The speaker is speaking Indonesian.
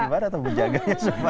gimana tuh penjaganya semua ya